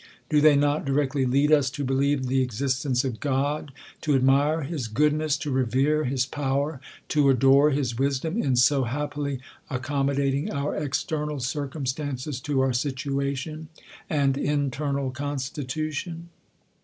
Do they not directly lead us to believe the existence of God, to admire his goodness, to revere his power, to adore his wisdom, in so happily accom modating our external circumstances to our situation and internal constitution